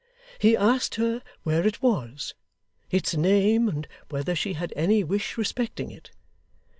He asked her where it was, its name, and whether she had any wish respecting it.